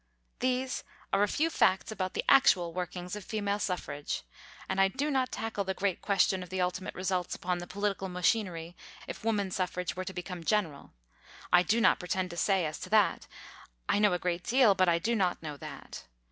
These are a few facts about the actual workings of female suffrage, and I do not tackle the great question of the ultimate results upon the political machinery if woman suffrage were to become general. I do not pretend to say as to that. I know a great deal, but I do not know that.